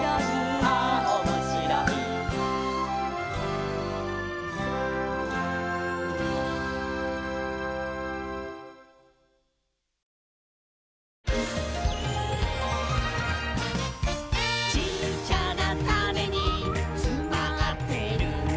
「ああおもしろい」「ちっちゃなタネにつまってるんだ」